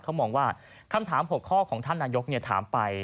เขามองว่าคำถาม๖ข้อของท่านนายกถามไป